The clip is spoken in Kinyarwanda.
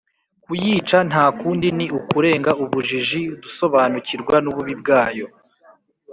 Kuyica nta kundi ni ukurenga ubujiji dusobanukirwa n’ububi bwayo.